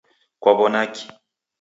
Kwaw'onaki?